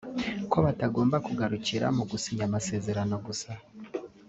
ko batagomba kugarukira mu gusinya amasezerano gusa